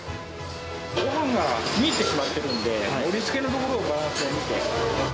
ごはんが見えてしまっているので、盛りつけのところのバランスを見て。